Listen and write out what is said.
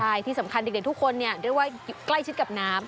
ใช่ที่สำคัญเด็กทุกคนเนี่ยเรียกว่าใกล้ชิดกับน้ำ